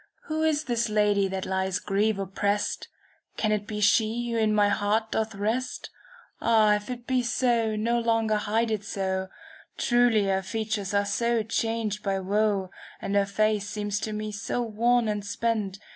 Who is this lady that lies grief opprest? Can it be she who in my heart doth rest? Ah ! if it be, no longer hide it so. Truly her features are so changed by woe, ■* And her face seems to me so worn and spent.